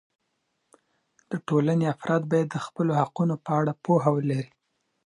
د ټولنې افراد باید د خپلو حقونو په اړه پوهه ولري.